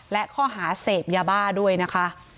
และข้อหาเสพยาบ้าด้วยนะคะ